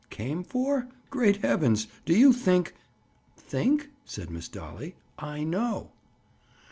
"Came for? Great heavens!—Do you think?—" "Think?" said Miss Dolly. "I know."